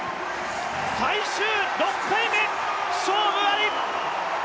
最終６回目、勝負あり！